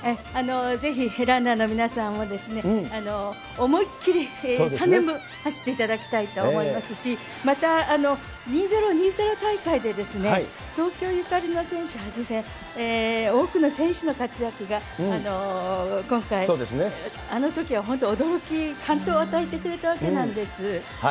ぜひランナーの皆さんも思いっきり３年分、走っていただきたいと思いますし、また２０２０大会で、東京ゆかりの選手はじめ、多くの選手の活躍が今回、あの時は本当に驚き、感動を与えてくれたわけなんです。